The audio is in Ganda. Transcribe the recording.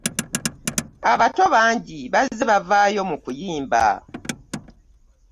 Abato bangi bazze bavaayo mu kuyimba.